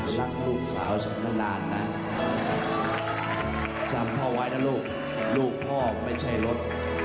รักลูกสาวฉันมานานนะจำพ่อไว้นะลูกลูกพ่อไม่ใช่รถ